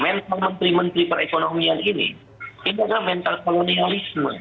mental menteri menteri perekonomian ini ini adalah mental kolonialisme